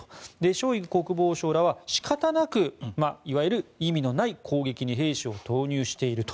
ショイグ国防相らは、仕方なくいわゆる意味のない攻撃に兵士を投入していると。